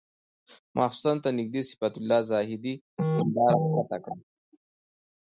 ماخستن ته نږدې صفت الله زاهدي هنداره ښکته کړه.